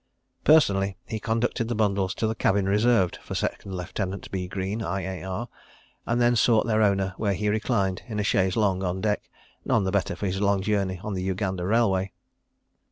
Personally he conducted the bundles to the cabin reserved for Second Lieutenant B. Greene, I.A.R., and then sought their owner where he reclined in a chaise longue on deck, none the better for his long journey on the Uganda Railway.